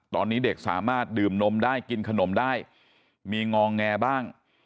ตอนนี้เด็กสามารถดื่มนมได้กินขนมได้มีงอแงบ้าง